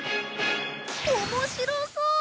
面白そう！